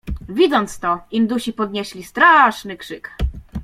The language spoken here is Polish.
"Widząc to, indusi podnieśli straszny krzyk."